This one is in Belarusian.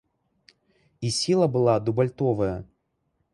І сіла была дубальтовая.